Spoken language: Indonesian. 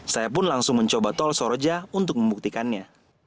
saya pun langsung mencoba tol soroja untuk membuktikannya